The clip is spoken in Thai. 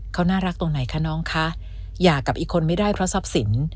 เขาน่ารักตรงไหนคะน้องคะหย่ากับอีกคนไม่ได้เพราะทรัพย์สิน